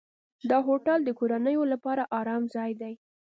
دا هوټل د کورنیو لپاره آرام ځای دی.